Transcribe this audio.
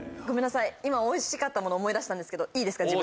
ごめんなさいおいしかったもの思い出したんですけどいいですか？